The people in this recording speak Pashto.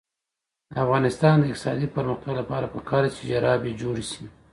د افغانستان د اقتصادي پرمختګ لپاره پکار ده چې جرابې جوړې شي.